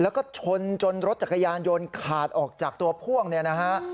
แล้วก็ชนจนรถจักรยานยนต์ขาดออกจากตัวพ่วงเนี่ยนะฮะ